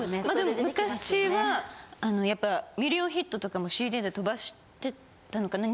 昔はやっぱミリオンヒットとかもＣＤで飛ばしてたのかな。